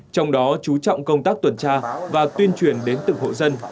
trong đó chú trọng công tác tuần tra và tuyên truyền đến từng hộ dân